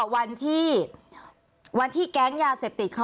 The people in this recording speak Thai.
คุณเอกวีสนิทกับเจ้าแม็กซ์แค่ไหนคะ